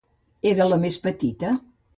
Era la més petita?